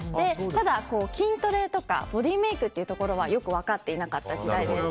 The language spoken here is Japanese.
ただ、筋トレとかボディーメイクとかはよく分かっていなかった時代です。